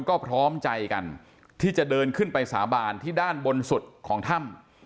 ก็พร้อมใจกันที่จะเดินขึ้นไปสาบานที่ด้านบนสุดของถ้ำ